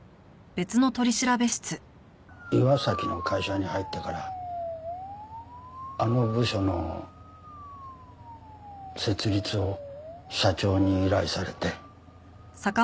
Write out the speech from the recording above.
岩崎の会社に入ってからあの部署の設立を社長に依頼されて。